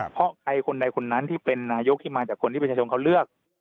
เพราะใครคนใดคนนั้นที่เป็นนายกที่มาจากคนที่ประชาชนเขาเลือก